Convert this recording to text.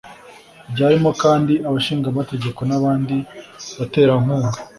ryarimo kandi abashingamategeko n’abandi baterankunga